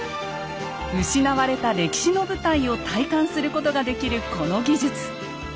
失われた歴史の舞台を体感することができるこの技術。